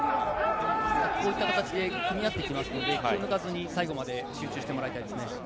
こういう形で組み合っていくので、気を抜かずに、最後まで集中してもらいたいですね。